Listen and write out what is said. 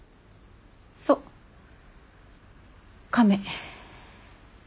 そう亀。